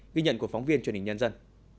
ghi nhận của phóng viên truyền hình nhân dân